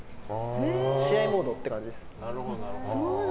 試合モードって感じです。